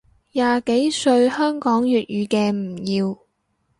廿幾歲香港粵語嘅唔要